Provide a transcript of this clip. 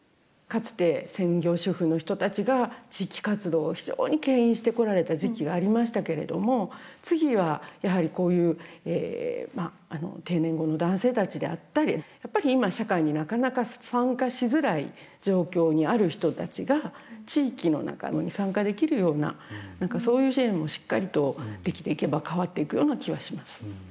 かつて専業主婦の人たちが地域活動を非常にけん引してこられた時期がありましたけれども次はやはりこういう定年後の男性たちであったりやっぱり今社会になかなか参加しづらい状況にある人たちが地域の中に参加できるような何かそういう支援もしっかりとできていけば変わっていくような気はします。